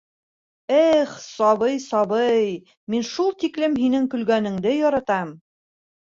Эх, сабый, сабый, мин шул тиклем һинең көлгәнеңде яратам!